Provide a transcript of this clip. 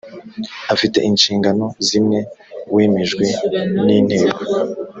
afite inshingano zimwe wemejwe n inteko